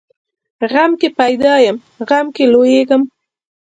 غم کې پیدا یم، غم کې لویېږم.